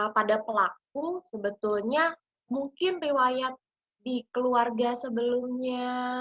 pada pelaku sebetulnya mungkin riwayat di keluarga sebelumnya